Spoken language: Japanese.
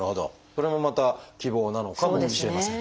それもまた希望なのかもしれませんね。